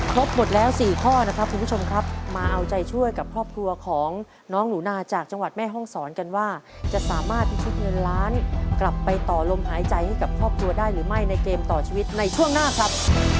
ครบหมดแล้ว๔ข้อนะครับคุณผู้ชมครับมาเอาใจช่วยกับครอบครัวของน้องหนูนาจากจังหวัดแม่ห้องศรกันว่าจะสามารถพิชิตเงินล้านกลับไปต่อลมหายใจให้กับครอบครัวได้หรือไม่ในเกมต่อชีวิตในช่วงหน้าครับ